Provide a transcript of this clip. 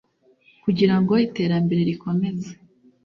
kugira ngo iterambere rikomeze